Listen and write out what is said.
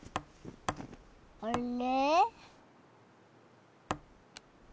あれ？